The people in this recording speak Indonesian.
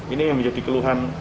ini yang menjadi keluhan